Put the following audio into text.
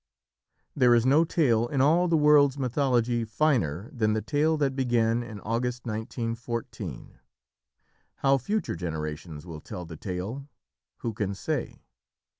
There is no tale in all the world's mythology finer than the tale that began in August 1914. How future generations will tell the tale, who can say?